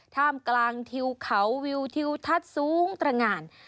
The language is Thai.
ท่ามกลางทิวเขาวิวทิวทัศน์สูงตรงาน